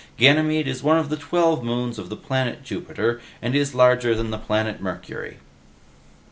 Ganymede is one of twelve moons of the planet Jupiter, and is larger than the planet Mercury."